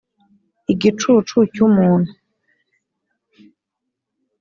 igicucu cy umuntu